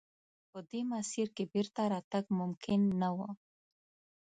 په دې مسیر کې بېرته راتګ ممکن نه و.